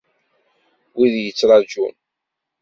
Wid yettraǧun.